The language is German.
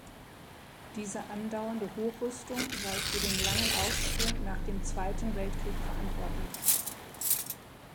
Diese andauernde Hochrüstung sei für den langen Aufschwung nach dem Zweiten Weltkrieg verantwortlich.